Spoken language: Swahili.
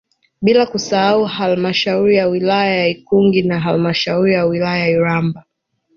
Bila kusahau Halamashauri ya wilaya ya Ikungi na halmashauri ya wilaya Iramba